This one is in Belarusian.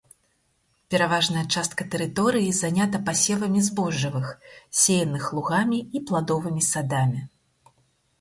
Пераважная частка тэрыторыі занята пасевамі збожжавых, сеяных лугамі і пладовымі садамі.